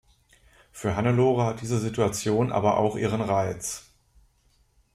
Für Hannelore hat diese Situation aber auch ihren Reiz.